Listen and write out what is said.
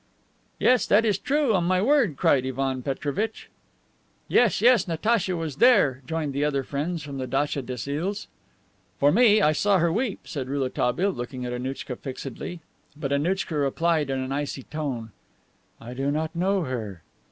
"Yes, that is true, on my word," cried Ivan Petrovitch. "Yes, yes, Natacha was there," joined in the other friends from the datcha des Iles. "For me, I saw her weep," said Rouletabille, looking at Annouchka fixedly. But Annouchka replied in an icy tone: "I do not know her."